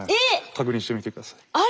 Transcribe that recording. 確認してみて下さい。